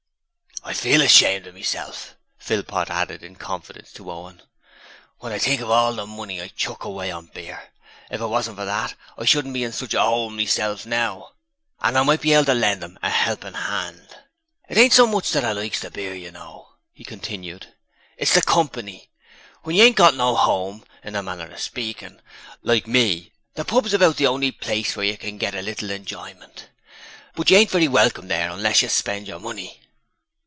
'I feel ashamed of meself,' Philpot added in confidence to Owen, 'when I think of all the money I chuck away on beer. If it wasn't for that, I shouldn't be in such a hole meself now, and I might be able to lend 'em a 'elpin' 'and.' 'It ain't so much that I likes the beer, you know,' he continued; 'it's the company. When you ain't got no 'ome, in a manner o' speakin', like me, the pub's about the only place where you can get a little enjoyment. But you ain't very welcome there unless you spends your money.'